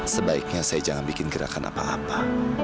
sebaiknya saya jangan bikin gerakan apa apa